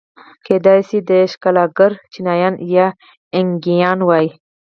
کېدای شوای چې دا ښکېلاکګر چینایان یا اینکایان وای.